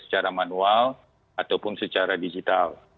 secara manual ataupun secara digital